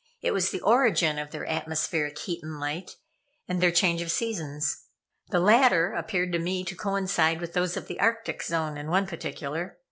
It was the origin of their atmospheric heat and light, and their change of seasons. The latter appeared to me to coincide with those of the Arctic zone, in one particular.